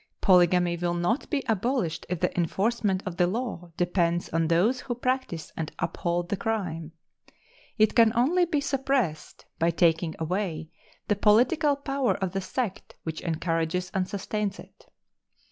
Polygamy will not be abolished if the enforcement of the law depends on those who practice and uphold the crime. It can only be suppressed by taking away the political power of the sect which encourages and sustains it.